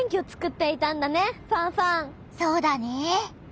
そうだね。